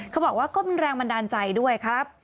เขาบอกว่าก็เป็นแรงบันดาลใจด้วยครับ